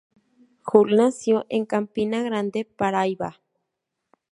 Hulk nació en Campina Grande, Paraíba.